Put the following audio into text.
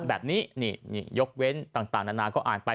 แบบนี้นี่ยกเว้นต่างนานาก็อ่านไป